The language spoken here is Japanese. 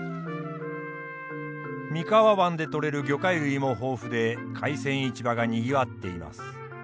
三河湾で取れる魚介類も豊富で海鮮市場がにぎわっています。